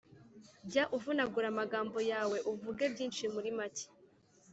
Jya uvunagura amagambo yawe, uvuge byinshi muri make.